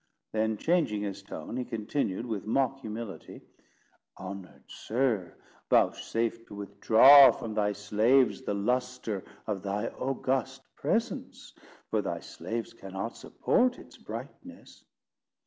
Then, changing his tone, he continued, with mock humility—"Honoured sir, vouchsafe to withdraw from thy slaves the lustre of thy august presence, for thy slaves cannot support its brightness."